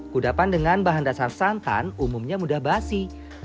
kudapan dengan bahan dasar santan umumnya mudah basi